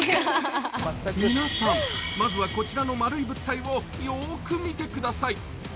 皆さん、こちらの丸い物体をよく見てください。